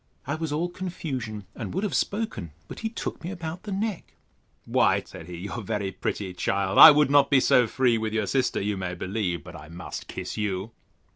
I was all confusion, and would have spoken: but he took me about the neck: Why, said he, you are very pretty, child: I would not be so free with your sister, you may believe; but I must kiss you.